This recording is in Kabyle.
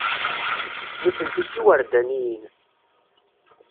Nitenti d tiwerdaniyin.